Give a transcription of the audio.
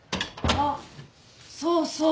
あっそうそう。